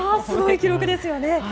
すごい記録ですよね。